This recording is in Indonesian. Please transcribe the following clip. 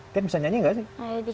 tian bisa nyanyi gak sih